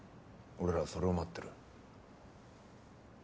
俺らはそれを待ってる。